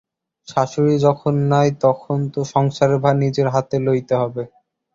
শাশুড়ি যখন নাই তখন তো সংসারের ভার নিজের হাতেই লইতে হইবে।